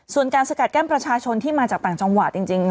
ส่วนการสกัดแก้มประชาชนที่มาจากต่างจังหวัดจริง